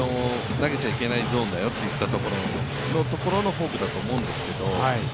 投げちゃいけないゾーンだよと言ったところのフォークだと思うんですけど。